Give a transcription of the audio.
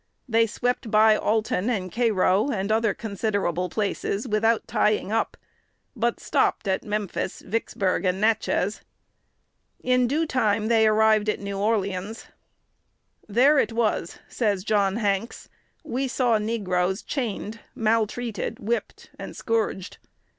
They swept by Alton and Cairo, and other considerable places, without tying up, but stopped at Memphis, Vicksburg, and Natchez. In due time they arrived at New Orleans. "There it was," says John Hanks, "we saw negroes chained, maltreated, whipped, and scourged.